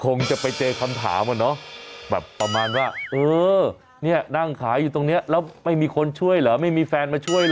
คงจะไปเจอคำถามอะเนาะแบบประมาณว่าเออเนี่ยนั่งขายอยู่ตรงนี้แล้วไม่มีคนช่วยเหรอไม่มีแฟนมาช่วยเหรอ